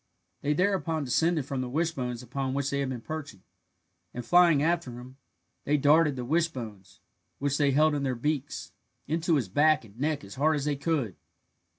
They thereupon descended from the wishbones upon which they had been perching, and flying after him, they darted the wishbones, which they held in their beaks, into his back and neck as hard as they could.